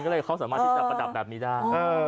ก็เลยเขาสามารถที่จะประดับแบบนี้ได้